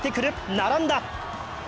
並んだ！